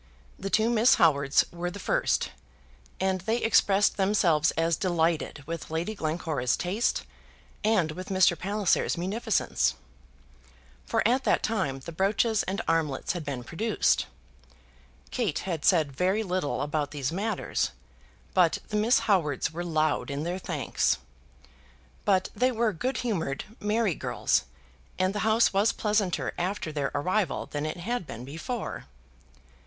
The two Miss Howards were the first, and they expressed themselves as delighted with Lady Glencora's taste and with Mr. Palliser's munificence, for at that time the brooches and armlets had been produced. Kate had said very little about these matters, but the Miss Howards were loud in their thanks. But they were good humoured, merry girls, and the house was pleasanter after their arrival than it had been before.